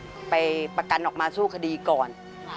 ทำไมเราต้องเป็นแบบเสียเงินอะไรขนาดนี้เวรกรรมอะไรนักหนา